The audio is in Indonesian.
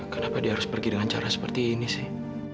kenapa dia harus pergi dengan cara seperti ini sih